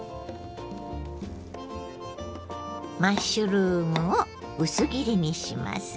マッシュルームを薄切りにします。